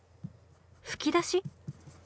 吹き出し？